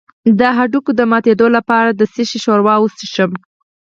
د هډوکو د ماتیدو لپاره د څه شي ښوروا وڅښم؟